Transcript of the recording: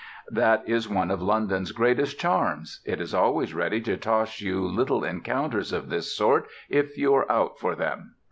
That is one of London's greatest charms: it is always ready to toss you little encounters of this sort, if you are out for them.